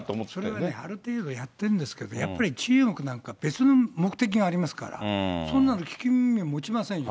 それがね、ある程度やってるんですけど、やっぱり中国なんか別の目的がありますから、そんなの聞く耳を持ちませんよ。